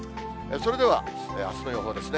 それではあすの予報ですね。